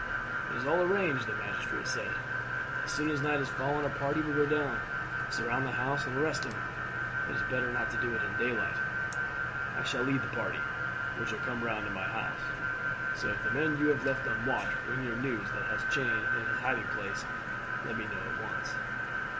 "It is all arranged," the magistrate said; "as soon as night has fallen a party will go down, surround the house, and arrest him. It is better not to do it in daylight. I shall lead the party, which will come round to my house, so if the men you have left on watch bring you news that he has changed his hiding place, let me know at once.